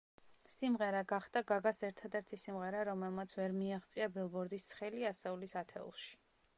სიმღერა გახდა გაგას ერთადერთი სიმღერა, რომელმაც ვერ მიაღწია ბილბორდის ცხელი ასეულის ათეულში.